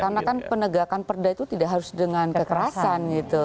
karena kan penegakan perdai itu tidak harus dengan kekerasan gitu